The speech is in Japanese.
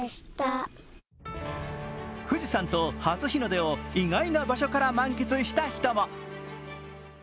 富士山と初日の出を意外な場所から満喫した人も。